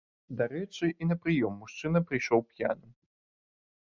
Дарэчы, і на прыём мужчына прыйшоў п'яным.